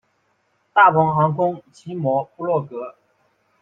大鹏航空奇摩部落格